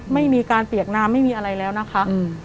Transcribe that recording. ไม่มีการเปียกน้ำไม่มีอะไรแล้วนะคะ